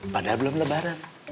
padahal belum lebaran